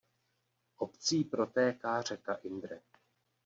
Obcí protéká řeka Indre.